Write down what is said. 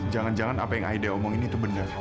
jangan jangan apa yang idea omongin itu benar